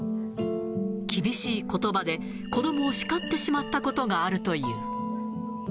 厳しいことばで、子どもを叱ってしまったことがあるという。